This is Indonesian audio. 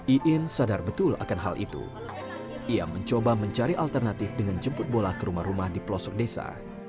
iin sadar betul akan hal itu ia mencoba mencari alternatif dengan jemput bola ke rumah rumah di pelosok desa